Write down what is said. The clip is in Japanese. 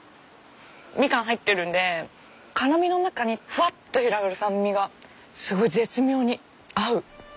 みかん入ってるんで辛みの中にふわっと広がる酸味がすごい絶妙に合う。